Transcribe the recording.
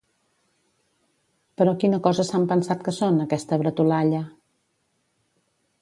Però quina cosa s'han pensat que són, aquesta bretolalla?